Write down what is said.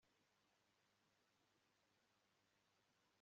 ngo akemure icyo kibazo yemeye kugira